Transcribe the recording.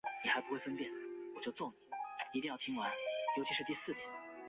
有时会长着鹿角或巨大的生殖器。